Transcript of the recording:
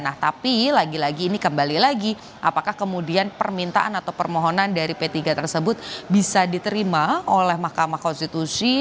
nah tapi lagi lagi ini kembali lagi apakah kemudian permintaan atau permohonan dari p tiga tersebut bisa diterima oleh mahkamah konstitusi